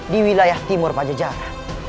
di wilayah timur pajajara